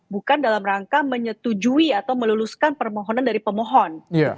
bukan dalam rangka menyetujui atau meluluskan permohonan dari pemohon